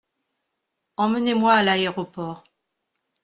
Emmenez-moi à l’aéroport.